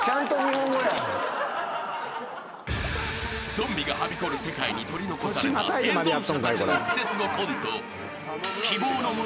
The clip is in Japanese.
［ゾンビがはびこる世界に取り残された生存者たちのクセスゴコント］